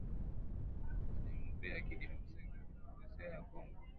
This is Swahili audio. kujiunga kwa jamuhuri ya kidemokrasia ya Kongo